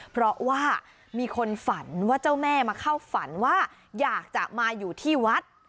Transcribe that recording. เพราะว่ามีคนฝันว่าเจ้าแม่มาเข้าฝันว่าอยากจะมาอยู่ที่วัด